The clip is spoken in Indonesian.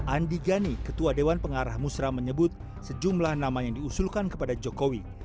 andi gani ketua dewan pengarah musra menyebut sejumlah nama yang diusulkan kepada jokowi